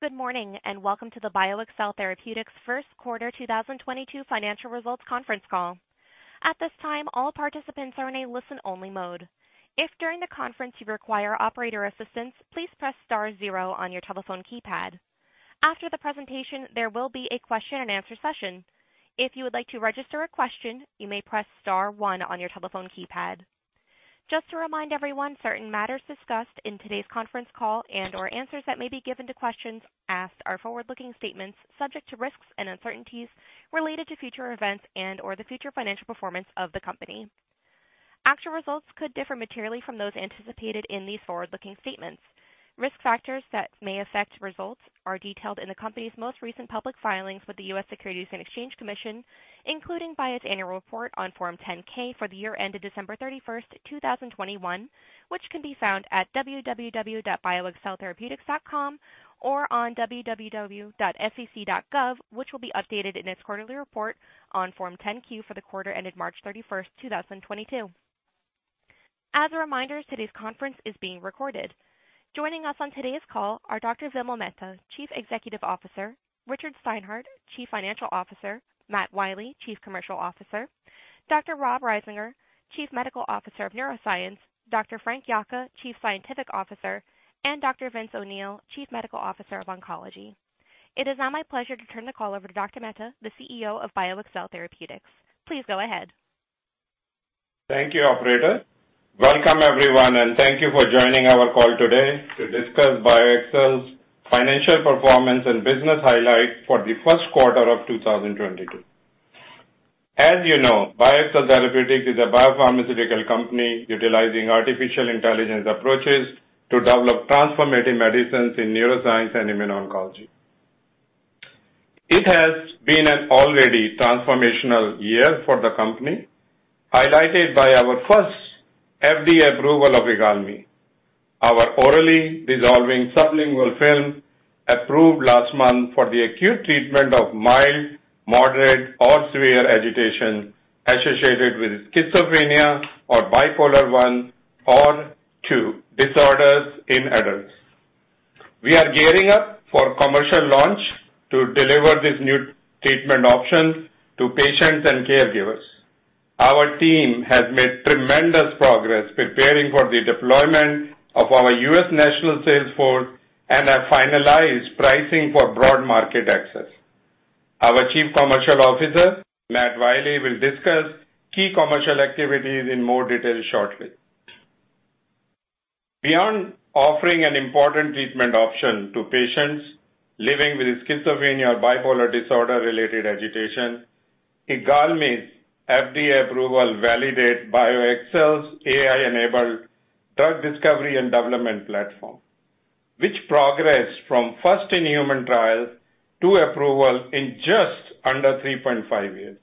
Good morning, and welcome to the BioXcel Therapeutics first quarter 2022 financial results conference call. At this time, all participants are in a listen-only mode. If during the conference you require operator assistance, please press star zero on your telephone keypad. After the presentation, there will be a question-and-answer session. If you would like to register a question, you may press star one on your telephone keypad. Just to remind everyone, certain matters discussed in today's conference call and/or answers that may be given to questions asked are forward-looking statements subject to risks and uncertainties related to future events and/or the future financial performance of the company. Actual results could differ materially from those anticipated in these forward-looking statements. Risk factors that may affect results are detailed in the company's most recent public filings with the U.S. Securities and Exchange Commission, including its annual report on Form 10-K for the year ended December 31st, 2021, which can be found at www.bioxceltherapeutics.com or on www.sec.gov, which will be updated in its quarterly report on Form 10-Q for the quarter ended March 31st, 2022. As a reminder, today's conference is being recorded. Joining us on today's call are Dr. Vimal Mehta, Chief Executive Officer, Richard Steinhart, Chief Financial Officer, Matt Wiley, Chief Commercial Officer, Dr. Rob Risinger, Chief Medical Officer of Neuroscience, Dr. Frank Yocca, Chief Scientific Officer, and Dr. Vincent O'Neill, Chief Medical Officer of Oncology. It is now my pleasure to turn the call over to Dr. Mehta, the CEO of BioXcel Therapeutics. Please go ahead. Thank you, operator. Welcome, everyone, and thank you for joining our call today to discuss BioXcel's financial performance and business highlights for the first quarter of 2022. As you know, BioXcel Therapeutics is a biopharmaceutical company utilizing artificial intelligence approaches to develop transformative medicines in neuroscience and immuno-oncology. It has been an already transformational year for the company, highlighted by our first FDA approval of IGALMI, our orally dissolving sublingual film approved last month for the acute treatment of mild, moderate, or severe agitation associated with schizophrenia or bipolar I or II disorders in adults. We are gearing up for commercial launch to deliver this new treatment option to patients and caregivers. Our team has made tremendous progress preparing for the deployment of our U.S. national sales force and have finalized pricing for broad market access. Our Chief Commercial Officer, Matt Wiley, will discuss key commercial activities in more detail shortly. Beyond offering an important treatment option to patients living with schizophrenia or bipolar disorder-related agitation, IGALMI's FDA approval validates BioXcel's AI-enabled drug discovery and development platform, which progressed from first in human trial to approval in just under 3.5 years.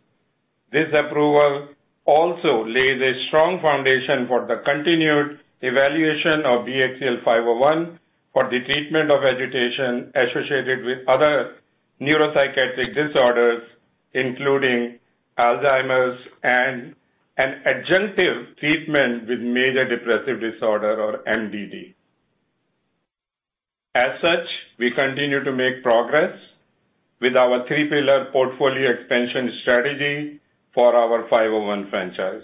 This approval also lays a strong foundation for the continued evaluation of BXCL501 for the treatment of agitation associated with other neuropsychiatric disorders, including Alzheimer's and an adjunctive treatment with major depressive disorder or MDD. As such, we continue to make progress with our three-pillar portfolio expansion strategy for our BXCL501 franchise,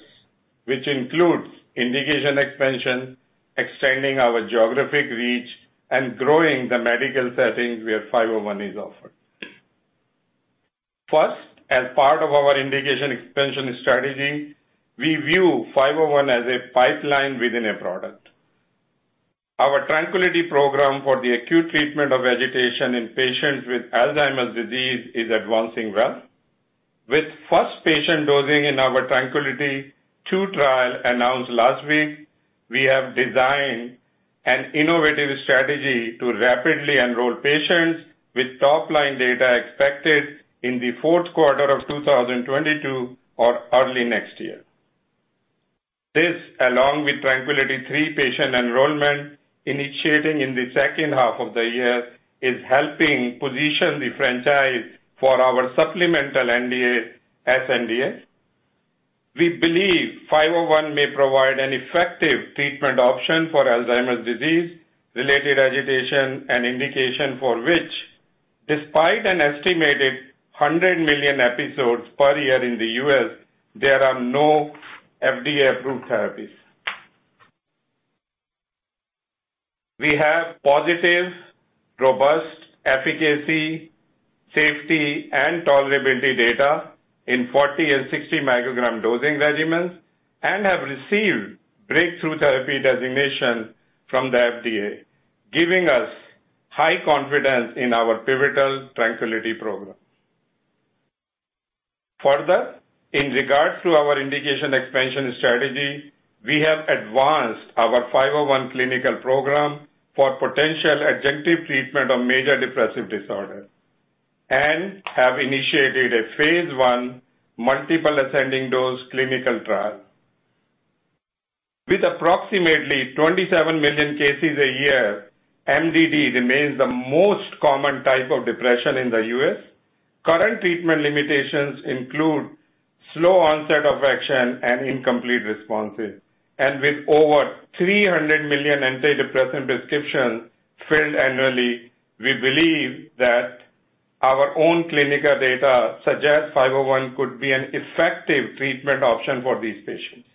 which includes indication expansion, extending our geographic reach, and growing the medical settings where BXCL501 is offered. First, as part of our indication expansion strategy, we view BXCL501 as a pipeline within a product. Our TRANQUILITY program for the acute treatment of agitation in patients with Alzheimer's disease is advancing well. With first patient dosing in our TRANQUILITY II trial announced last week, we have designed an innovative strategy to rapidly enroll patients with top-line data expected in the fourth quarter of 2022 or early next year. This, along with TRANQUILITY III patient enrollment initiating in the second half of the year, is helping position the franchise for our supplemental NDA, sNDA. We believe BXCL501 may provide an effective treatment option for Alzheimer's disease-related agitation and indication for which, despite an estimated 100 million episodes per year in the U.S., there are no FDA-approved therapies. We have positive, robust efficacy, safety, and tolerability data in 40 mcg and 60 mcg dosing regimens and have received Breakthrough Therapy Designation from the FDA, giving us high confidence in our pivotal TRANQUILITY program. Further, in regards to our indication expansion strategy, we have advanced our BXCL501 clinical program for potential adjunctive treatment of major depressive disorder and have initiated a phase I multiple ascending dose clinical trial. With approximately 27 million cases a year, MDD remains the most common type of depression in the U.S. Current treatment limitations include slow onset of action and incomplete responses. With over 300 million antidepressant prescriptions filled annually, we believe that our own clinical data suggests BXCL501 could be an effective treatment option for these patients.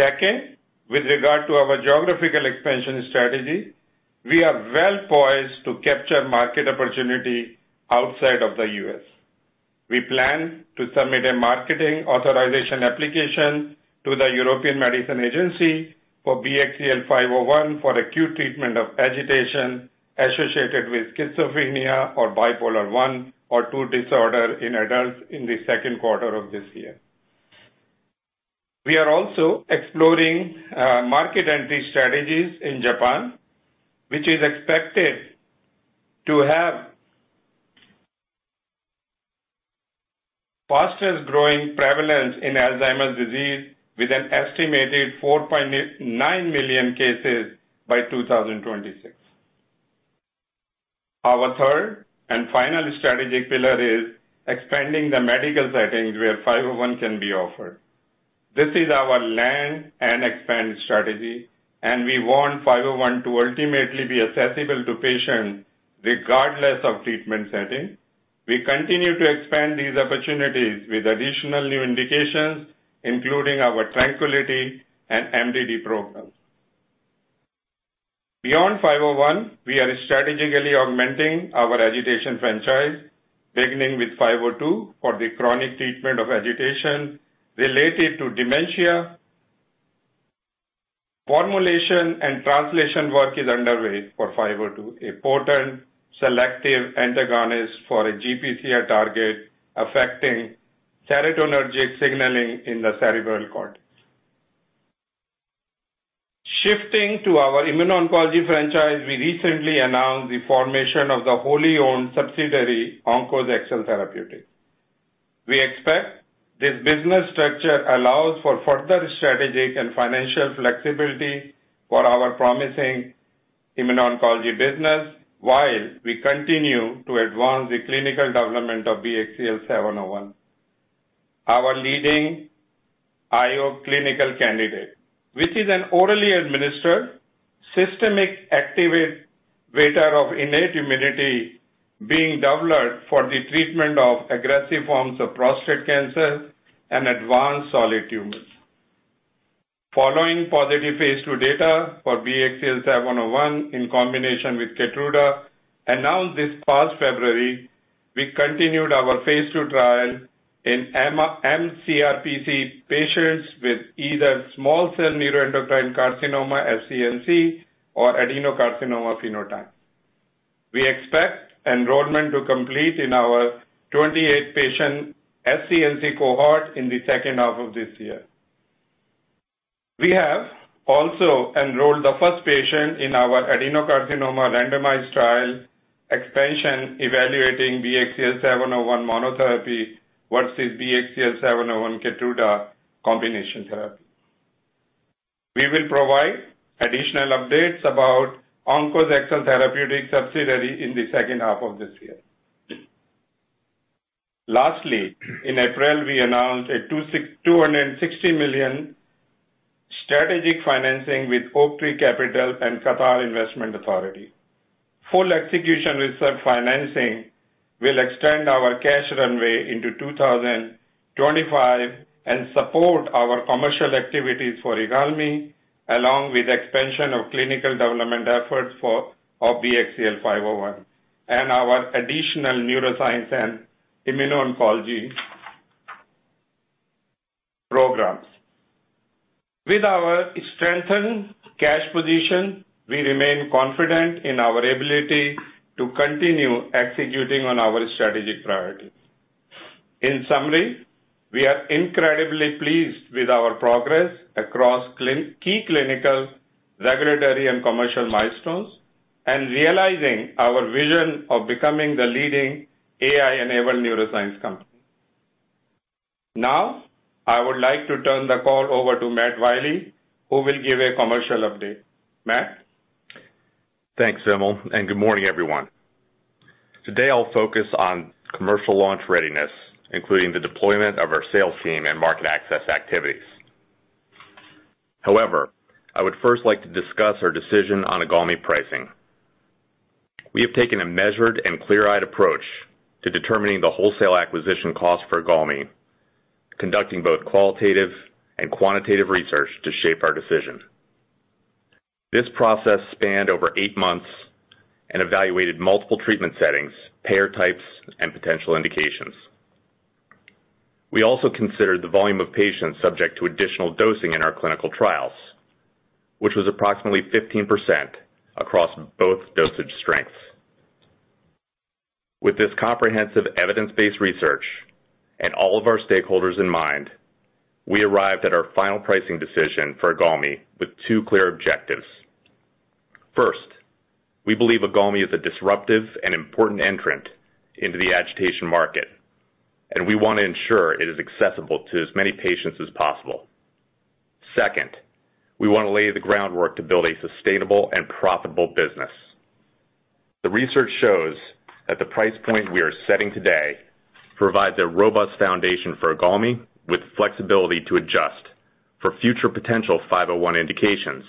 Second, with regard to our geographical expansion strategy, we are well poised to capture market opportunity outside of the U.S. We plan to submit a marketing authorization application to the European Medicines Agency for BXCL501 for acute treatment of agitation associated with schizophrenia or bipolar I or II disorder in adults in the second quarter of this year. We are also exploring market entry strategies in Japan, which is expected to have fastest growing prevalence in Alzheimer's disease with an estimated 4.99 million cases by 2026. Our third and final strategic pillar is expanding the medical settings where BXCL501 can be offered. This is our land and expand strategy, and we want BXCL501 to ultimately be accessible to patients regardless of treatment setting. We continue to expand these opportunities with additional new indications, including our TRANQUILITY and MDD programs. Beyond BXCL501, we are strategically augmenting our agitation franchise, beginning with BXCL502 for the chronic treatment of agitation related to dementia. Formulation and translation work is underway for BXCL502, a potent selective antagonist for a GPCR target affecting serotonergic signaling in the cerebral cortex. Shifting to our immuno-oncology franchise, we recently announced the formation of the wholly-owned subsidiary, OnkosXcel Therapeutics. We expect this business structure allows for further strategic and financial flexibility for our promising immuno-oncology business while we continue to advance the clinical development of BXCL701, our leading IO clinical candidate, which is an orally administered systemic activator of innate immunity being developed for the treatment of aggressive forms of prostate cancer and advanced solid tumors. Following positive phase II data for BXCL701 in combination with KEYTRUDA, announced this past February, we continued our phase II trial in mCRPC patients with either small cell neuroendocrine carcinoma, SCNC, or adenocarcinoma phenotype. We expect enrollment to complete in our 28 patient SCNC cohort in the second half of this year. We have also enrolled the first patient in our adenocarcinoma randomized trial expansion evaluating BXCL701 monotherapy versus BXCL701 KEYTRUDA combination therapy. We will provide additional updates about OnkosXcel Therapeutics subsidiary in the second half of this year. Lastly, in April, we announced a $260 million strategic financing with Oaktree Capital Management and Qatar Investment Authority. Full execution with said financing will extend our cash runway into 2025 and support our commercial activities for IGALMI along with expansion of clinical development efforts for BXCL501 and our additional neuroscience and immuno-oncology programs. With our strengthened cash position, we remain confident in our ability to continue executing on our strategic priorities. In summary, we are incredibly pleased with our progress across key clinical, regulatory and commercial milestones and realizing our vision of becoming the leading AI-enabled neuroscience company. Now, I would like to turn the call over to Matt Wiley, who will give a commercial update. Matt? Thanks, Vimal, and good morning, everyone. Today, I'll focus on commercial launch readiness, including the deployment of our sales team and market access activities. However, I would first like to discuss our decision on IGALMI pricing. We have taken a measured and clear-eyed approach to determining the wholesale acquisition cost for IGALMI, conducting both qualitative and quantitative research to shape our decision. This process spanned over eight months and evaluated multiple treatment settings, payer types and potential indications. We also considered the volume of patients subject to additional dosing in our clinical trials, which was approximately 15% across both dosage strengths. With this comprehensive evidence-based research and all of our stakeholders in mind, we arrived at our final pricing decision for IGALMI with two clear objectives. First, we believe IGALMI is a disruptive and important entrant into the agitation market, and we want to ensure it is accessible to as many patients as possible. Second, we want to lay the groundwork to build a sustainable and profitable business. The research shows that the price point we are setting today provides a robust foundation for IGALMI with flexibility to adjust for future potential BXCL501 indications,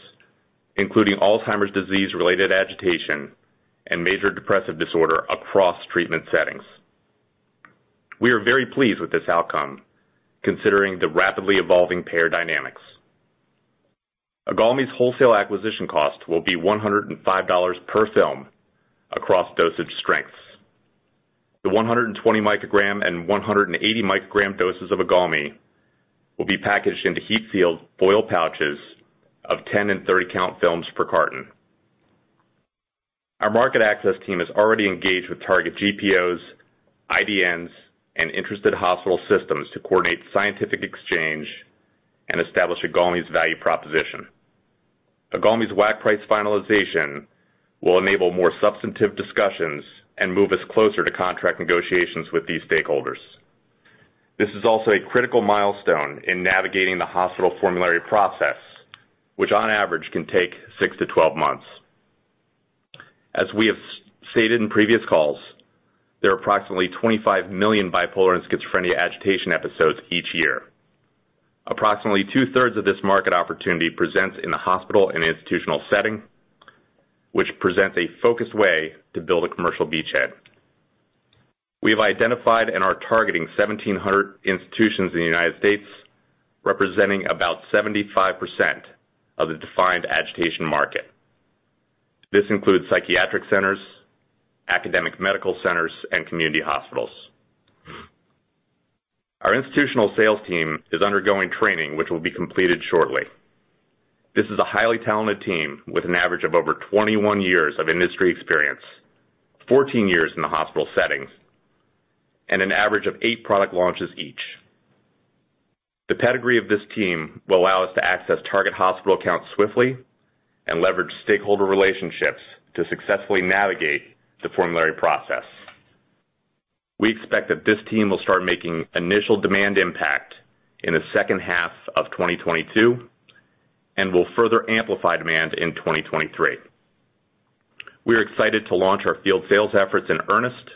including Alzheimer's disease-related agitation and major depressive disorder across treatment settings. We are very pleased with this outcome considering the rapidly evolving payer dynamics. IGALMI's wholesale acquisition cost will be $105 per film across dosage strengths. The 120 mcg and 180 mcg doses of IGALMI will be packaged into heat sealed foil pouches of 10 and 30 count films per carton. Our market access team is already engaged with target GPOs, IDNs, and interested hospital systems to coordinate scientific exchange and establish IGALMI's value proposition. IGALMI's WAC price finalization will enable more substantive discussions and move us closer to contract negotiations with these stakeholders. This is also a critical milestone in navigating the hospital formulary process, which on average can take six to 12 months. As we have stated in previous calls, there are approximately 25 million bipolar and schizophrenia agitation episodes each year. Approximately 2/3 of this market opportunity presents in the hospital and institutional setting, which presents a focused way to build a commercial beachhead. We have identified and are targeting 1,700 institutions in the United States, representing about 75% of the defined agitation market. This includes psychiatric centers, academic medical centers, and community hospitals. Our institutional sales team is undergoing training, which will be completed shortly. This is a highly talented team with an average of over 21 years of industry experience, 14 years in the hospital settings, and an average of eight product launches each. The pedigree of this team will allow us to access target hospital accounts swiftly and leverage stakeholder relationships to successfully navigate the formulary process. We expect that this team will start making initial demand impact in the second half of 2022 and will further amplify demand in 2023. We are excited to launch our field sales efforts in earnest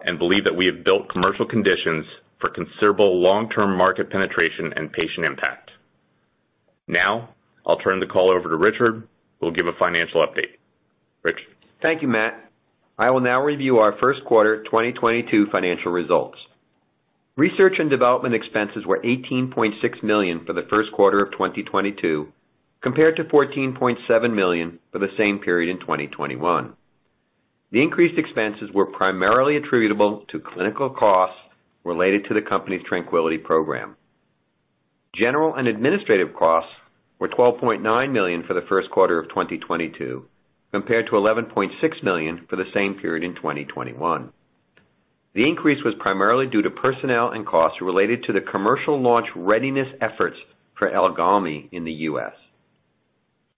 and believe that we have built commercial conditions for considerable long-term market penetration and patient impact. Now I'll turn the call over to Richard, who will give a financial update. Richard? Thank you, Matt. I will now review our first quarter 2022 financial results. Research and development expenses were $18.6 million for the first quarter of 2022, compared to $14.7 million for the same period in 2021. The increased expenses were primarily attributable to clinical costs related to the company's TRANQUILITY program. General and administrative costs were $12.9 million for the first quarter of 2022, compared to $11.6 million for the same period in 2021. The increase was primarily due to personnel and costs related to the commercial launch readiness efforts for IGALMI in the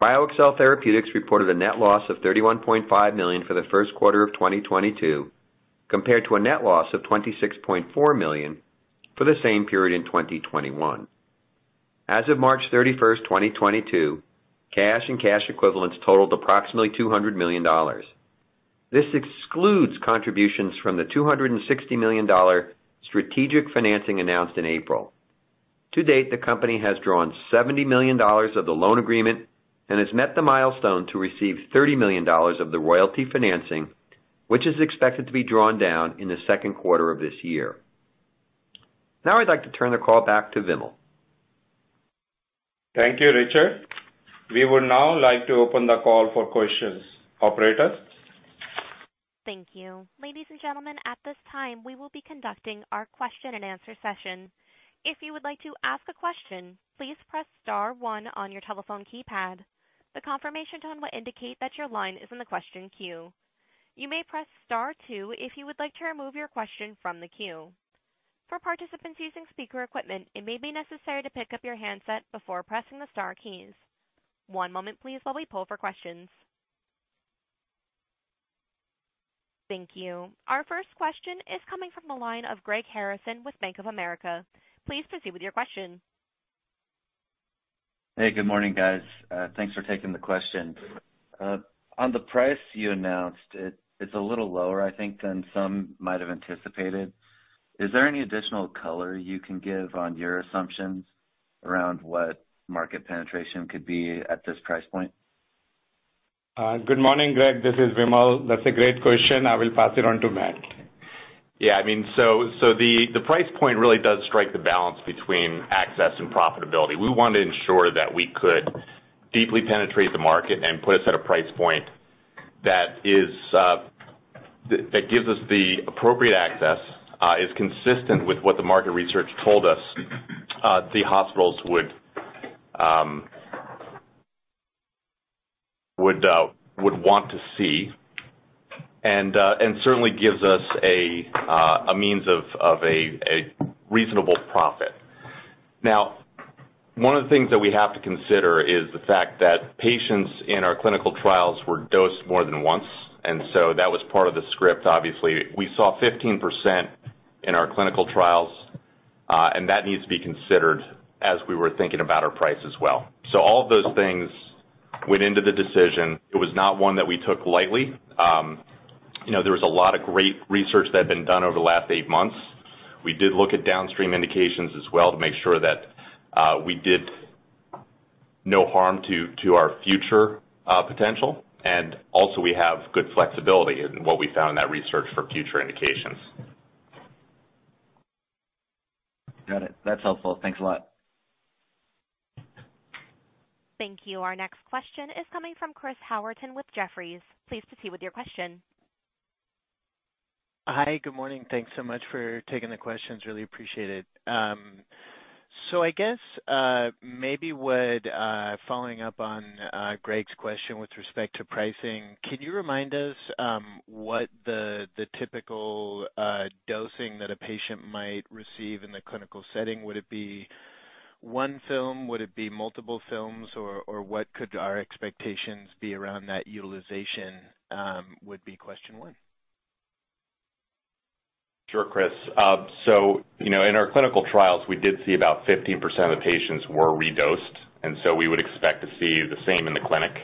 U.S. BioXcel Therapeutics reported a net loss of $31.5 million for the first quarter of 2022, compared to a net loss of $26.4 million for the same period in 2021. As of March 31st, 2022, cash and cash equivalents totaled approximately $200 million. This excludes contributions from the $260 million strategic financing announced in April. To date, the company has drawn $70 million of the loan agreement and has met the milestone to receive $30 million of the royalty financing, which is expected to be drawn down in the second quarter of this year. Now I'd like to turn the call back to Vimal. Thank you, Richard. We would now like to open the call for questions. Operator? Thank you. Ladies and gentlemen, at this time, we will be conducting our question-and-answer session. If you would like to ask a question, please press star one on your telephone keypad. The confirmation tone will indicate that your line is in the question queue. You may press star two if you would like to remove your question from the queue. For participants using speaker equipment, it may be necessary to pick up your handset before pressing the star keys. One moment please while we poll for questions. Thank you. Our first question is coming from the line of Greg Harrison with Bank of America. Please proceed with your question. Hey, good morning, guys. Thanks for taking the question. On the price you announced, it's a little lower, I think, than some might have anticipated. Is there any additional color you can give on your assumptions around what market penetration could be at this price point? Good morning, Greg. This is Vimal. That's a great question. I will pass it on to Matt. I mean, the price point really does strike the balance between access and profitability. We want to ensure that we could deeply penetrate the market and put us at a price point that gives us the appropriate access, is consistent with what the market research told us, the hospitals would want to see and certainly gives us a means of a reasonable profit. Now one of the things that we have to consider is the fact that patients in our clinical trials were dosed more than once, and that was part of the script obviously. We saw 15% in our clinical trials, and that needs to be considered as we were thinking about our price as well. All of those things went into the decision. It was not one that we took lightly. You know, there was a lot of great research that had been done over the last eight months. We did look at downstream indications as well to make sure that we did no harm to our future potential. Also we have good flexibility in what we found in that research for future indications. Got it. That's helpful. Thanks a lot. Thank you. Our next question is coming from Chris Howerton with Jefferies. Please proceed with your question. Hi. Good morning. Thanks so much for taking the questions. Really appreciate it. I guess, maybe following up on Greg's question with respect to pricing, can you remind us what the typical dosing that a patient might receive in the clinical setting? Would it be one film? Would it be multiple films or what could our expectations be around that utilization, would be question one. Sure, Chris. You know, in our clinical trials, we did see about 15% of the patients were redosed, and we would expect to see the same in the clinic.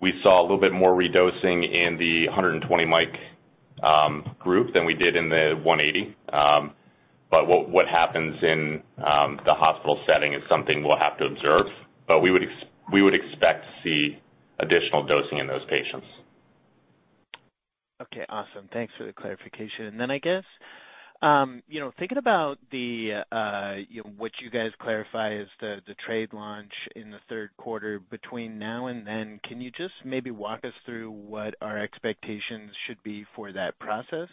We saw a little bit more redosing in the 120 mcg group than we did in the 180 mcg. What happens in the hospital setting is something we'll have to observe, but we would expect to see additional dosing in those patients. Okay, awesome. Thanks for the clarification. I guess, you know, thinking about what you guys clarify as the trade launch in the third quarter between now and then, can you just maybe walk us through what our expectations should be for that process?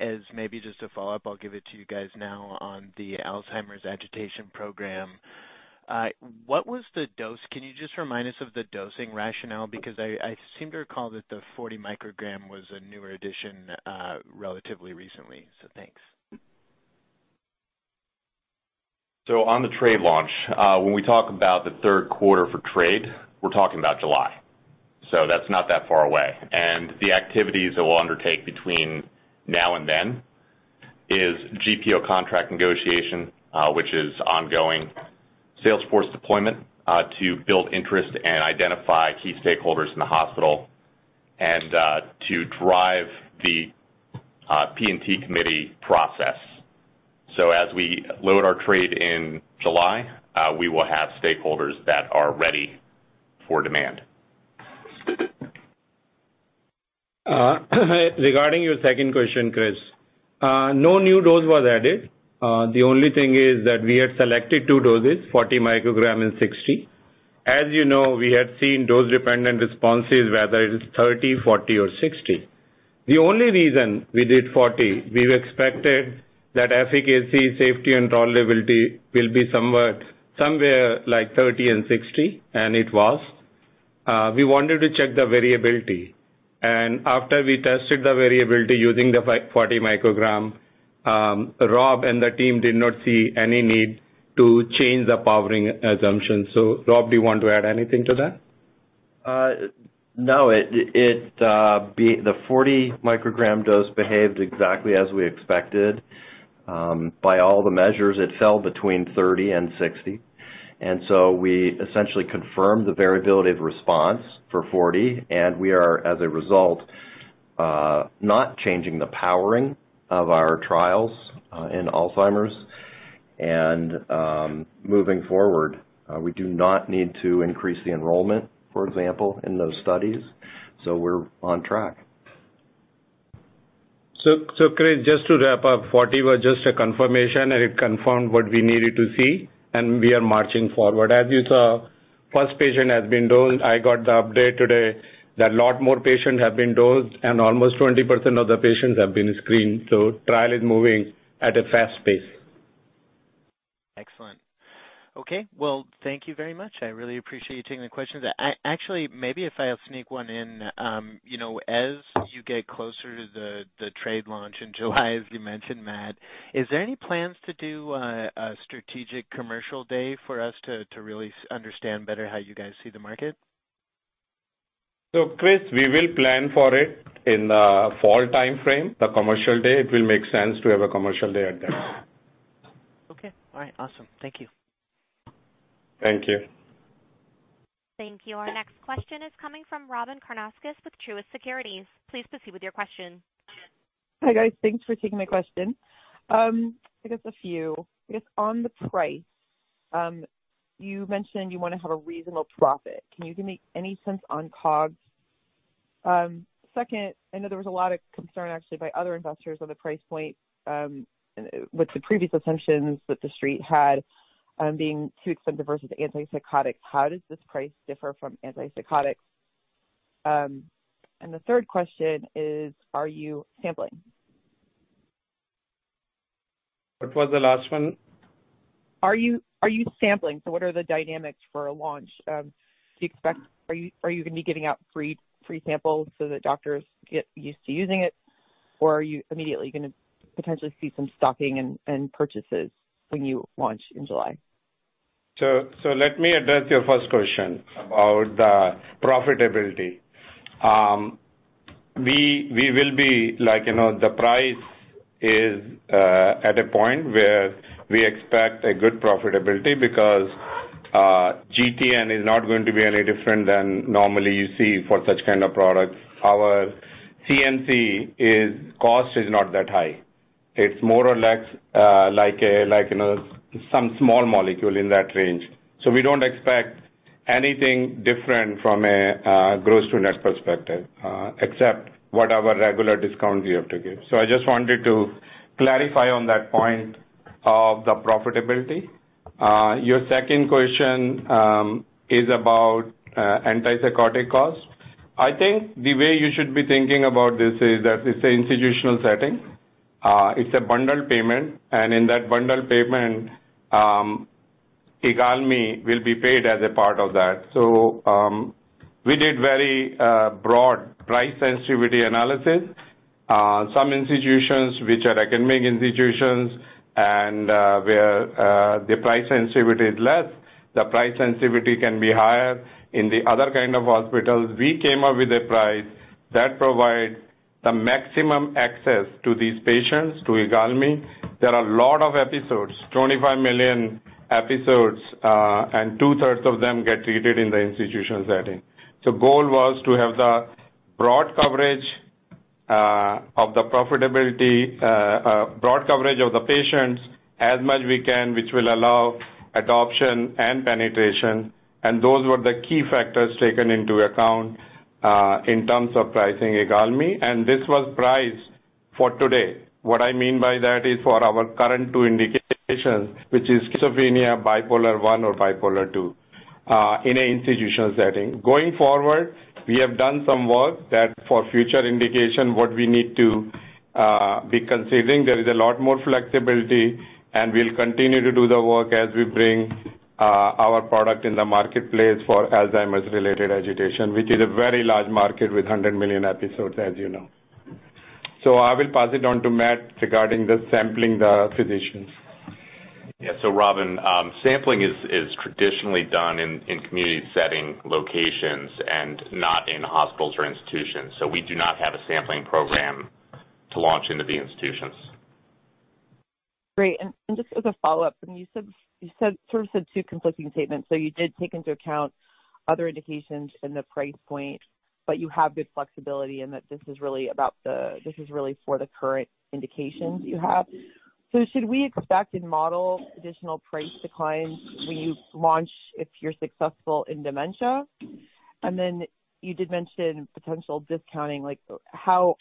As maybe just a follow-up, I'll give it to you guys now on the Alzheimer's agitation program. What was the dose? Can you just remind us of the dosing rationale? Because I seem to recall that the 40 mcg was a newer addition, relatively recently, so thanks. On the trade launch, when we talk about the third quarter for trade, we're talking about July. That's not that far away. The activities that we'll undertake between now and then is GPO contract negotiation, which is ongoing sales force deployment, to build interest and identify key stakeholders in the hospital, and to drive the P&T committee process. As we load our trade in July, we will have stakeholders that are ready for demand. Regarding your second question, Chris, no new dose was added. The only thing is that we had selected two doses, 40 mcg and 60 mcg. As you know, we have seen dose-dependent responses, whether it is 30 mcg, 40 mcg or 60 mcg. The only reason we did 40 mcg, we expected that efficacy, safety and tolerability will be somewhat somewhere like 30 mcg and 60 mcg, and it was. We wanted to check the variability. After we tested the variability using the 40 mcg, Rob and the team did not see any need to change the powering assumption. Rob, do you want to add anything to that? No, the 40 mcg does behave exactly as we expected. By all the measures, it fell between 30 mcg and 60 mcg, so we essentially confirmed the variability of response for 40 mcg, and we are as a result not changing the powering of our trials in Alzheimer's. Moving forward, we do not need to increase the enrollment, for example, in those studies. We're on track. Chris, just to wrap up, 40 mcg was just a confirmation, and it confirmed what we needed to see, and we are marching forward. As you saw, first patient has been dosed. I got the update today that a lot more patients have been dosed and almost 20% of the patients have been screened. Trial is moving at a fast pace. Excellent. Okay, well, thank you very much. I really appreciate you taking the questions. Actually, maybe if I'll sneak one in, you know, as you get closer to the trade launch in July, as you mentioned, Matt, is there any plans to do a strategic commercial day for us to really understand better how you guys see the market? Chris, we will plan for it in the fall timeframe, the commercial day. It will make sense to have a commercial day at that time. Okay. All right. Awesome. Thank you. Thank you. Thank you. Our next question is coming from Robyn Karnauskas with Truist Securities. Please proceed with your question. Hi, guys. Thanks for taking my question. I guess a few. I guess on the price, you mentioned you wanna have a reasonable profit. Can you give me any sense on COGS? Second, I know there was a lot of concern actually by other investors on the price point, with the previous assumptions that The Street had, being too expensive versus antipsychotics. How does this price differ from antipsychotics? And the third question is, are you sampling? What was the last one? Are you sampling? What are the dynamics for a launch? Are you gonna be giving out free samples so that doctors get used to using it, or are you immediately gonna potentially see some stocking and purchases when you launch in July? Let me address your first question about the profitability. We will be like, you know, the price is at a point where we expect a good profitability because GTN is not going to be any different than normally you see for such kind of products. Our CNC cost is not that high. It's more or less like a, like, you know, some small molecule in that range. We don't expect anything different from a gross-to-net perspective except whatever regular discounts we have to give. I just wanted to clarify on that point of the profitability. Your second question is about antipsychotic costs. I think the way you should be thinking about this is that it's an institutional setting. It's a bundled payment, and in that bundled payment, IGALMI will be paid as a part of that. We did very broad price sensitivity analysis. Some institutions which are academic institutions and, where the price sensitivity is less, the price sensitivity can be higher. In the other kind of hospitals, we came up with a price that provides the maximum access to these patients to IGALMI. There are a lot of episodes, 25 million episodes, and 2/3 of them get treated in the institution setting. The goal was to have the broad coverage of the profitability, broad coverage of the patients as much we can, which will allow adoption and penetration. Those were the key factors taken into account in terms of pricing IGALMI. This was priced for today. What I mean by that is for our current two indications, which is schizophrenia, bipolar I or bipolar II, in an institutional setting. Going forward, we have done some work that for future indication, what we need to be considering. There is a lot more flexibility, and we'll continue to do the work as we bring our product in the marketplace for Alzheimer's related agitation, which is a very large market with 100 million episodes, as you know. I will pass it on to Matt regarding the sampling the physicians. Yeah. Robyn, sampling is traditionally done in community setting locations and not in hospitals or institutions. We do not have a sampling program to launch into the institutions. Great. Just as a follow-up, I mean, you sort of said two conflicting statements. You did take into account other indications in the price point, but you have good flexibility and that this is really for the current indications you have. Should we expect and model additional price declines when you launch if you're successful in dementia? You did mention potential discounting. Like, how?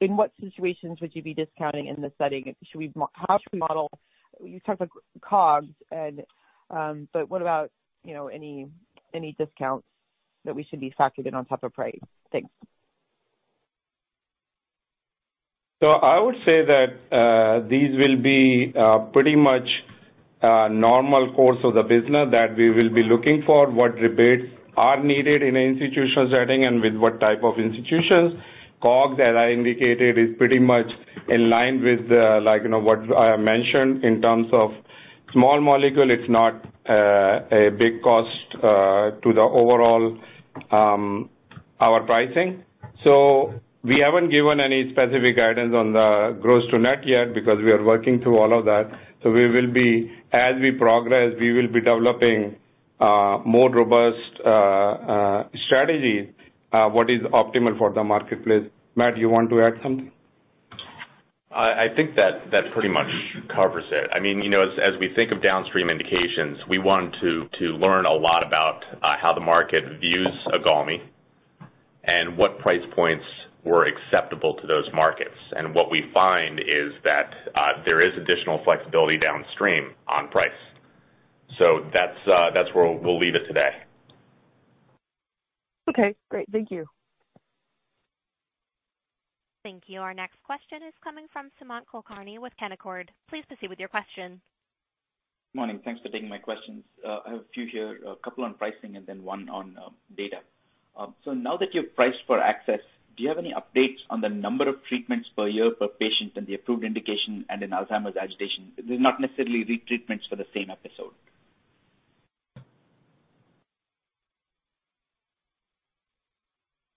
In what situations would you be discounting in this setting? How should we model? You talked about COGS and, but what about, you know, any discounts that we should be factoring on top of price? Thanks. I would say that these will be pretty much normal course of the business that we will be looking for what rebates are needed in an institutional setting and with what type of institutions. COGS, that I indicated, is pretty much in line with the like, you know, what I mentioned in terms of small molecule. It's not a big cost to the overall our pricing. We haven't given any specific guidance on the gross-to-net yet because we are working through all of that. We will be, as we progress, we will be developing more robust strategy what is optimal for the marketplace. Matt, you want to add something? I think that pretty much covers it. I mean, you know, as we think of downstream indications, we want to learn a lot about how the market views IGALMI and what price points were acceptable to those markets. What we find is that there is additional flexibility downstream on price. That's where we'll leave it today. Okay, great. Thank you. Thank you. Our next question is coming from Sumant Kulkarni with Canaccord. Please proceed with your question. Morning. Thanks for taking my questions. I have a few here, a couple on pricing and then one on data. So now that you've priced for access, do you have any updates on the number of treatments per year per patient and the approved indication and in Alzheimer's agitation? This is not necessarily re-treatments for the same episode.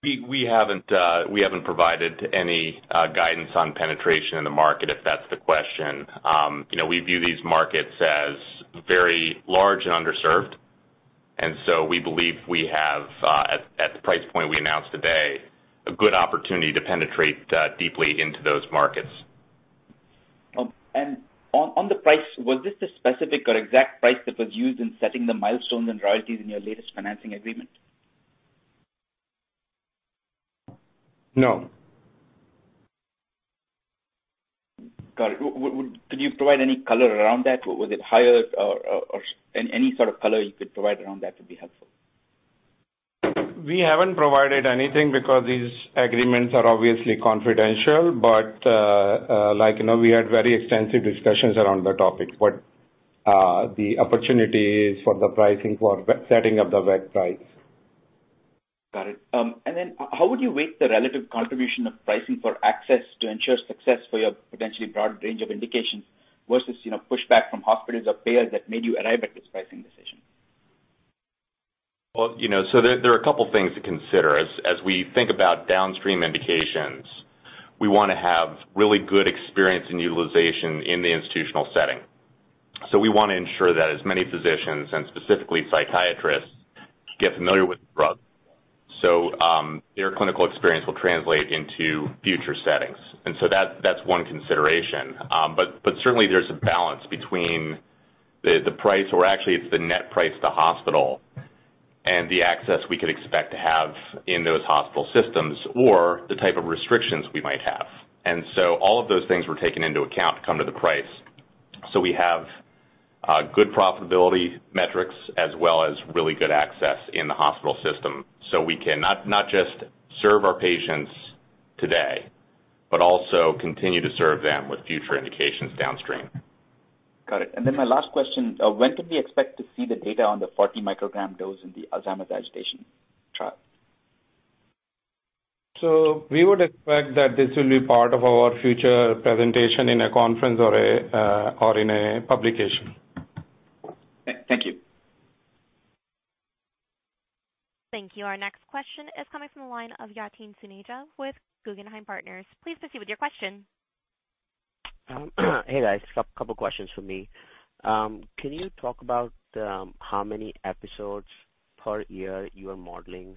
We haven't provided any guidance on penetration in the market, if that's the question. You know, we view these markets as very large and underserved, and so we believe we have at the price point we announced today, a good opportunity to penetrate deeply into those markets. On the price, was this the specific or exact price that was used in setting the milestones and royalties in your latest financing agreement? No. Got it. Could you provide any color around that? Was it higher or any sort of color you could provide around that would be helpful. We haven't provided anything because these agreements are obviously confidential. Like, you know, we had very extensive discussions around the topic, the opportunity is for the pricing, for setting up the right price. Got it. How would you rate the relative contribution of pricing for access to ensure success for your potentially broad range of indications versus, you know, pushback from hospitals or payers that made you arrive at this pricing decision? Well, you know, there are a couple things to consider. As we think about downstream indications, we wanna have really good experience in utilization in the institutional setting. We wanna ensure that as many physicians, and specifically psychiatrists, get familiar with the drug. Their clinical experience will translate into future settings. That's one consideration. Certainly there's a balance between the price or actually it's the net price to hospital and the access we could expect to have in those hospital systems or the type of restrictions we might have. All of those things were taken into account to come to the price. We have good profitability metrics as well as really good access in the hospital system. We can not just serve our patients today, but also continue to serve them with future indications downstream. Got it. My last question. When can we expect to see the data on the 40 mcg dose in the Alzheimer's agitation trial? We would expect that this will be part of our future presentation in a conference or in a publication. Thank you. Thank you. Our next question is coming from the line of Yatin Suneja with Guggenheim Partners. Please proceed with your question. Hey, guys. A couple questions from me. Can you talk about how many episodes per year you are modeling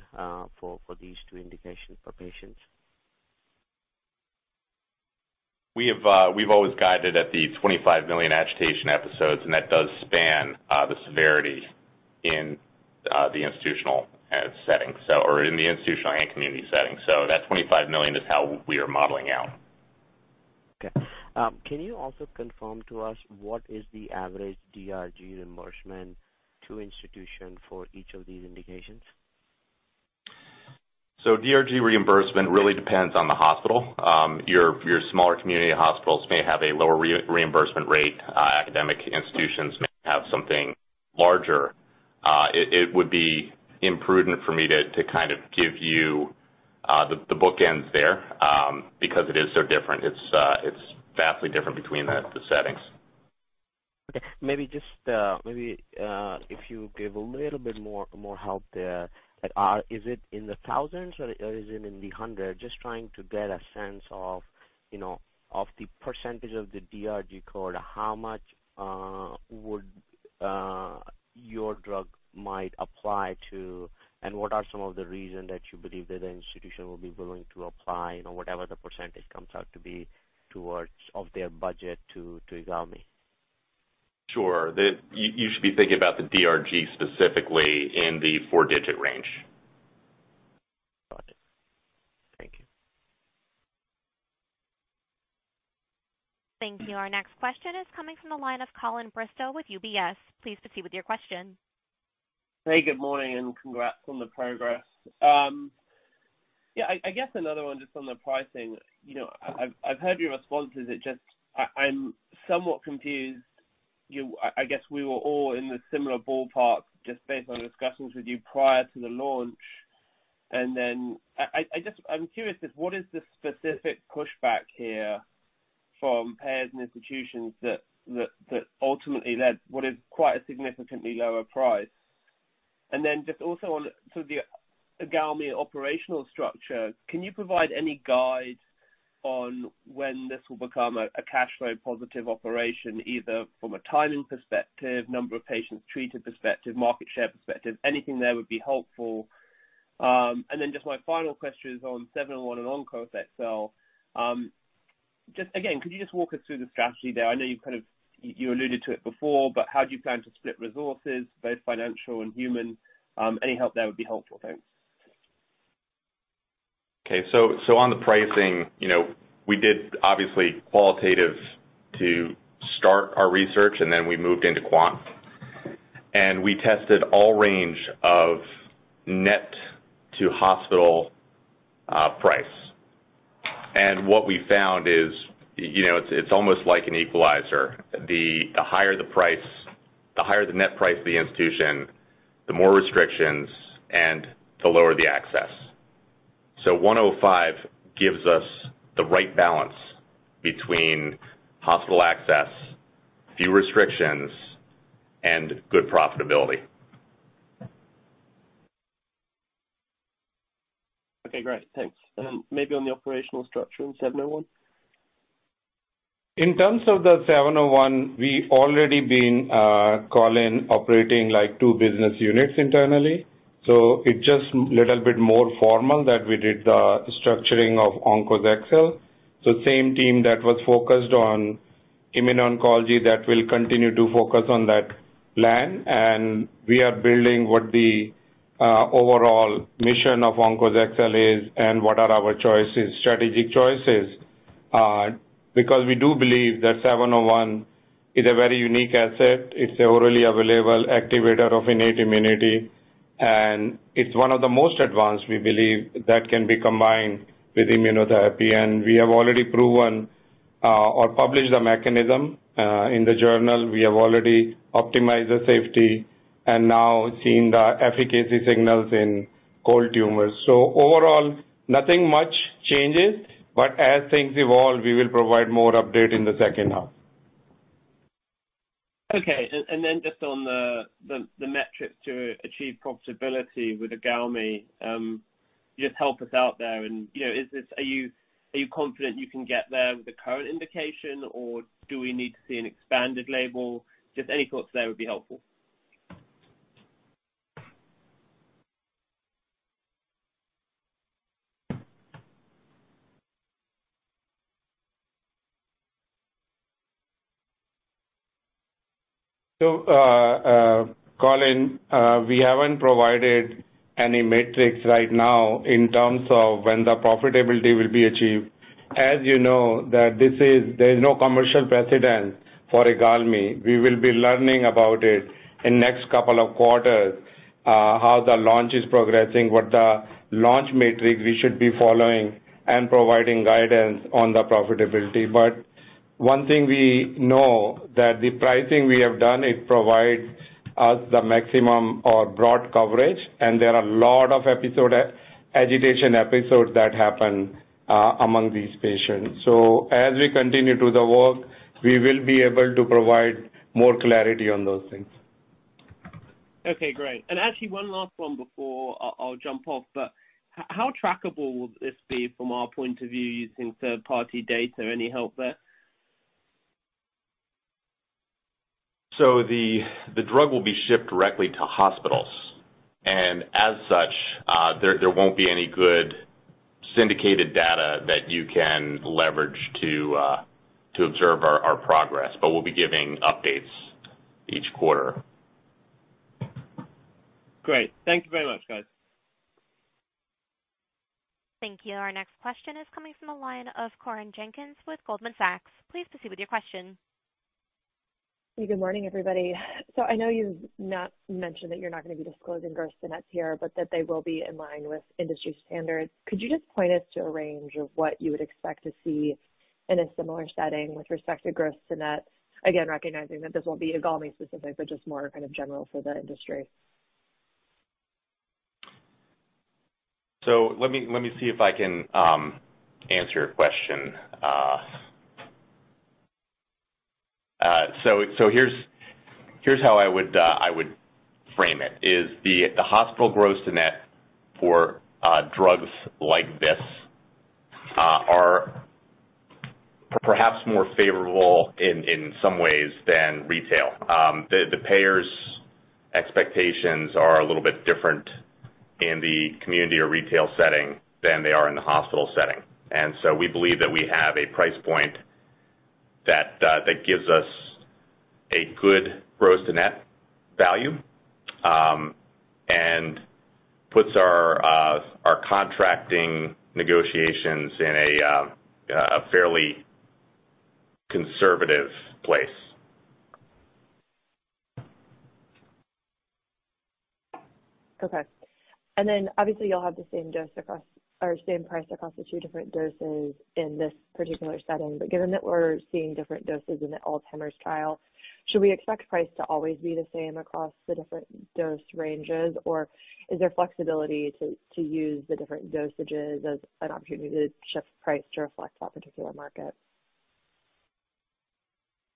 for these two indications for patients? We've always guided at the 25 million agitation episodes, and that does span the severity in the institutional setting, or in the institutional and community setting. That 25 million is how we are modeling out. Okay. Can you also confirm to us what is the average DRG reimbursement to institution for each of these indications? DRG reimbursement really depends on the hospital. Your smaller community hospitals may have a lower reimbursement rate. Academic institutions may have something larger. It would be imprudent for me to kind of give you the bookends there, because it is so different. It's vastly different between the settings. Maybe just if you give a little bit more help there. Like, is it in the thousands or is it in the hundreds? Just trying to get a sense of, you know, of the percentage of the DRG code, how much would your drug might apply to, and what are some of the reasons that you believe that the institution will be willing to apply, you know, whatever the percentage comes out to be towards of their budget to IGALMI? Sure. You should be thinking about the DRG specifically in the four-digit range. Got it. Thank you. Thank you. Our next question is coming from the line of Colin Bristow with UBS. Please proceed with your question. Hey, good morning and congrats on the progress. Yeah, I guess another one just on the pricing. You know, I've heard your responses. It just. I'm somewhat confused. I guess we were all in the similar ballpark just based on discussions with you prior to the launch. Then I just. I'm curious as what is the specific pushback here from payers and institutions that ultimately led what is quite a significantly lower price? Then just also on sort of the IGALMI operational structure, can you provide any guide on when this will become a cash flow positive operation, either from a timing perspective, number of patients treated perspective, market share perspective? Anything there would be helpful. Then just my final question is on BXCL701 and OnkosXcel. Just again, could you just walk us through the strategy there? I know you alluded to it before, but how do you plan to split resources, both financial and human? Any help there would be helpful. Thanks. Okay. On the pricing, you know, we did obviously qualitative to start our research, and then we moved into quant. We tested a range of net-to-hospital price. What we found is, you know, it's almost like an equalizer. The higher the price. The higher the net price to the institution, the more restrictions and the lower the access. $105 gives us the right balance between hospital access, few restrictions, and good profitability. Okay, great. Thanks. Maybe on the operational structure in BXCL701. In terms of the BXCL701, we already been, Colin, operating like two business units internally. It just little bit more formal that we did the structuring of OnkosXcel. The same team that was focused on immuno-oncology, that will continue to focus on that plan, and we are building what the overall mission of OnkosXcel is and what are our choices, strategic choices, because we do believe that BXCL701 is a very unique asset. It's an orally available activator of innate immunity, and it's one of the most advanced, we believe, that can be combined with immunotherapy. We have already proven or published the mechanism in the journal. We have already optimized the safety and now seeing the efficacy signals in cold tumors. Overall nothing much changes, but as things evolve, we will provide more update in the second half. Okay. Then just on the metrics to achieve profitability with IGALMI, just help us out there and, you know, are you confident you can get there with the current indication or do we need to see an expanded label? Just any thoughts there would be helpful. Colin, we haven't provided any metrics right now in terms of when the profitability will be achieved. As you know, there is no commercial precedent for IGALMI. We will be learning about it in next couple of quarters, how the launch is progressing, what the launch metrics we should be following and providing guidance on the profitability. But one thing we know that the pricing we have done, it provides us the maximum or broad coverage, and there are a lot of agitation episodes that happen, among these patients. As we continue to do the work, we will be able to provide more clarity on those things. Okay, great. Actually one last one before I'll jump off, but how trackable will this be from our point of view using third party data? Any help there? The drug will be shipped directly to hospitals, and as such, there won't be any good syndicated data that you can leverage to observe our progress, but we'll be giving updates each quarter. Great. Thank you very much, guys. Thank you. Our next question is coming from the line of Corinne Jenkins with Goldman Sachs. Please proceed with your question. Good morning, everybody. I know you've not mentioned that you're not gonna be disclosing gross to nets here, but that they will be in line with industry standards. Could you just point us to a range of what you would expect to see in a similar setting with respect to gross-to-net? Again, recognizing that this won't be IGALMI specific, but just more kind of general for the industry. Let me see if I can answer your question. Here's how I would frame it: the hospital gross to net for drugs like this are perhaps more favorable in some ways than retail. The payers' expectations are a little bit different in the community or retail setting than they are in the hospital setting. We believe that we have a price point that gives us a good gross-to-net value, and puts our contracting negotiations in a fairly conservative place. Okay. Obviously, you'll have the same dose across or same price across the two different doses in this particular setting. Given that we're seeing different doses in the Alzheimer's trial, should we expect price to always be the same across the different dose ranges, or is there flexibility to use the different dosages as an opportunity to shift price to reflect that particular market?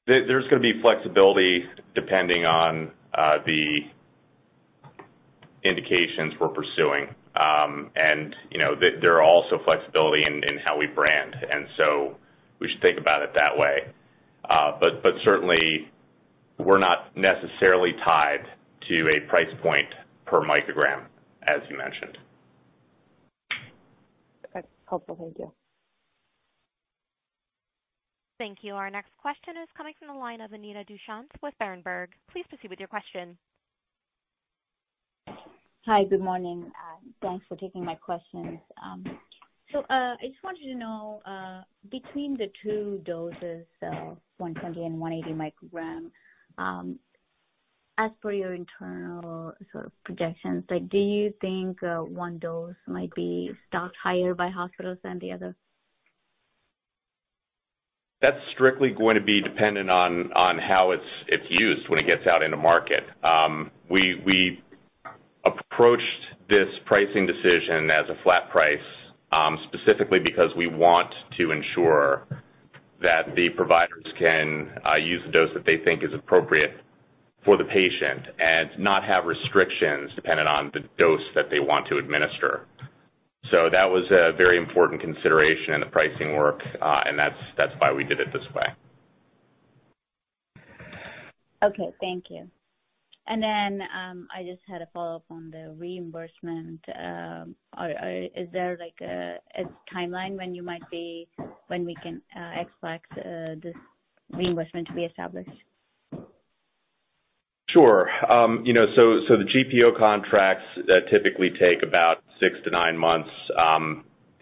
There's gonna be flexibility depending on the indications we're pursuing. You know, there are also flexibility in how we brand, and so we should think about it that way. Certainly, we're not necessarily tied to a price point per microgram, as you mentioned. Okay. Helpful. Thank you. Thank you. Our next question is coming from the line of Anita Dushyanth with Berenberg. Please proceed with your question. Hi. Good morning, thanks for taking my questions. I just wanted to know, between the two doses, 120 mcg and 180 mcg, as per your internal sort of projections, like, do you think, one dose might be stocked higher by hospitals than the other? That's strictly going to be dependent on how it's used when it gets out in the market. We approached this pricing decision as a flat price, specifically because we want to ensure that the providers can use the dose that they think is appropriate for the patient and not have restrictions dependent on the dose that they want to administer. That was a very important consideration in the pricing work, and that's why we did it this way. Okay. Thank you. I just had a follow-up on the reimbursement. Is there like a timeline when we can expect this reimbursement to be established? Sure. You know, so the GPO contracts typically take about six to nine months.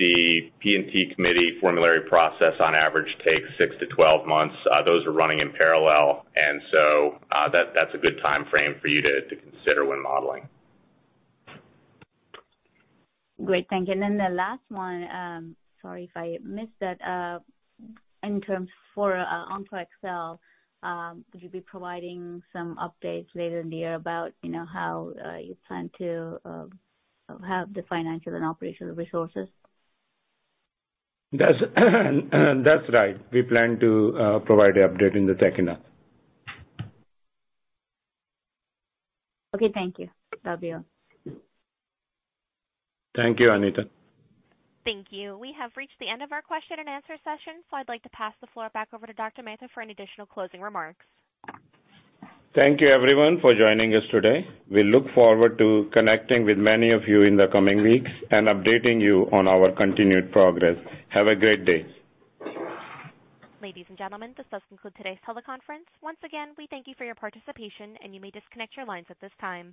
The P&T committee formulary process on average takes six to 12 months. Those are running in parallel. That's a good timeframe for you to consider when modeling. Great. Thank you. The last one, sorry if I missed it. In terms of OnkosXcel, would you be providing some updates later in the year about, you know, how you plan to have the financial and operational resources? That's right. We plan to provide the update in the second half. Okay. Thank you. Thank you, Anita. Thank you. We have reached the end of our question-and-answer session, so I'd like to pass the floor back over to Dr. Mehta for any additional closing remarks. Thank you everyone for joining us today. We look forward to connecting with many of you in the coming weeks and updating you on our continued progress. Have a great day. Ladies and gentlemen, this does conclude today's teleconference. Once again, we thank you for your participation, and you may disconnect your lines at this time.